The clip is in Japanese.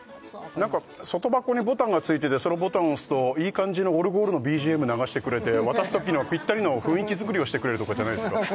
なんか外箱にボタンが付いててそのボタンを押すといい感じのオルゴールのＢＧＭ流してくれて渡すときにはピッタリの雰囲気づくりをしてくれるとかじゃないですか？